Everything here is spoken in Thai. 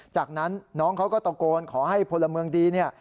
จากนั้นน้องเขาก็ตะโกนขอให้พลเมืองดีเนี่ย